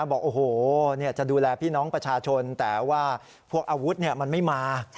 บอกโอ้โหจะดูแลพี่น้องประชาชนแต่ว่าพวกอาวุธมันไม่มา